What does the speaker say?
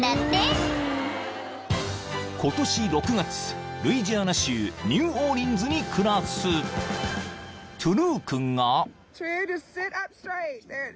［今年６月ルイジアナ州ニューオーリンズに暮らすトゥルー君が］